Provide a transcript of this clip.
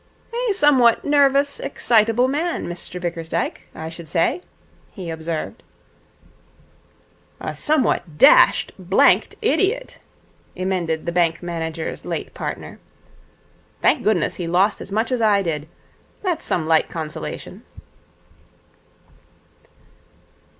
'A somewhat nervous excitable man, Mr Bickersdyke, I should say,' he observed. 'A somewhat dashed, blanked idiot,' emended the bank manager's late partner. 'Thank goodness he lost as much as I did. That's some light consolation.'